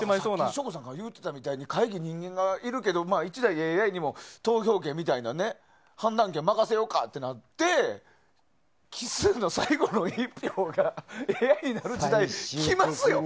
省吾さんが言うてたみたいに最終的に人間はいるけど１台、ＡＩに投票権みたいなのを任せようかとなって奇数の最後の１票がＡＩになる時代が来ますよ。